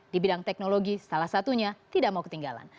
di bidang teknologi salah satunya tidak mau ketinggalan